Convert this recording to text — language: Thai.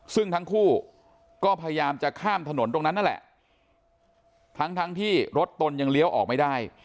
ซึ่งทั้งคู่ก็พยายามจะข้ามถนนตรงนั้นนั่นแหละทั้งทั้งที่รถตนยังเลี้ยวออกไม่ได้